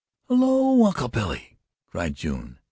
"Hello, Uncle Billy" cried June.